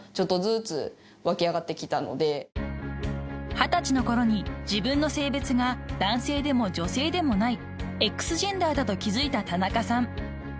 ［二十歳の頃に自分の性別が男性でも女性でもないＸジェンダーだと気付いた田中さん］